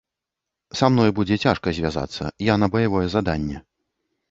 Са мной будзе цяжка звязацца, я на баявое заданне.